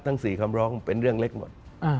๔คำร้องเป็นเรื่องเล็กหมด